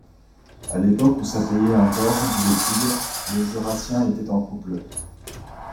à l’époque où ça payait encore disait-il, le Jurassien était en couple